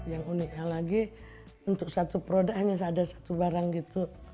yang uniknya lagi untuk satu produk hanya ada satu barang gitu